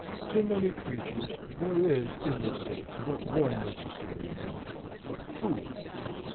To many creatures there is in this sense but one necessary of life, Food.